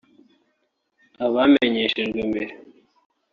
Abamenyeshejwe mbere